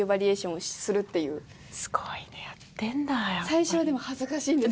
最初はでも恥ずかしいんですよ。